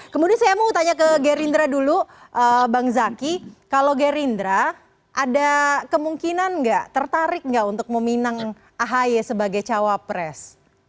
kemudian saya mau tanya ke gerindra dulu bang zaky kalau gerindra ada kemungkinan nggak tertarik nggak untuk meminang ahi sebagai cawapres